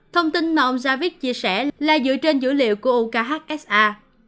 thông tin mà ông javid chia sẻ là dựa trên dữ liệu của ukhsa